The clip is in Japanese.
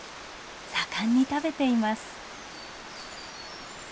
盛んに食べています。